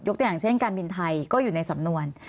ตัวอย่างเช่นการบินไทยก็อยู่ในสำนวน